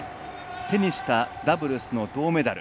手にしたダブルスの銅メダル。